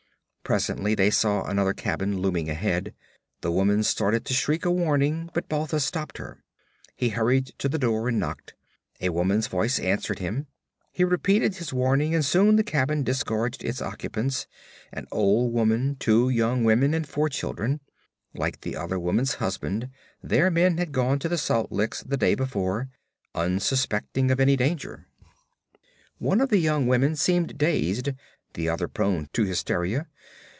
Presently they saw another cabin looming ahead. The woman started to shriek a warning, but Balthus stopped her. He hurried to the door and knocked. A woman's voice answered him. He repeated his warning, and soon the cabin disgorged its occupants an old woman, two young women and four children. Like the other woman's husband, their men had gone to the salt licks the day before, unsuspecting of any danger. One of the young women seemed dazed, the other prone to hysteria.